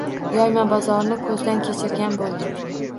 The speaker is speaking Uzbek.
Yoymabozorni ko‘zdan kechirgan bo‘ldi